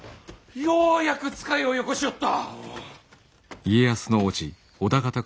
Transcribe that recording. ようやく使いをよこしよった。